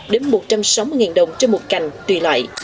đến một trăm sáu mươi đồng trên một cành tùy loại